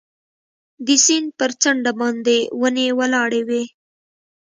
د سیند پر څنډه باندې ونې ولاړې وې.